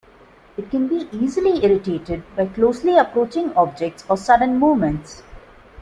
It can be easily irritated by closely approaching objects or sudden movements.